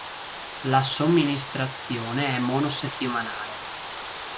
La somministrazione è monosettimanale.